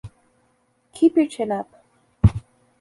Keep your chin up.